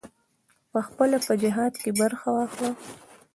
پخپله په جهاد کې برخه واخله.